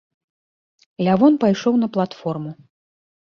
Лявон пайшоў на платформу.